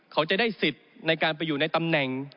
เขาจะได้สิทธิ์ในการไปอยู่ในตำแหน่ง